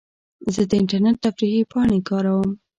زه د انټرنیټ تفریحي پاڼې کاروم.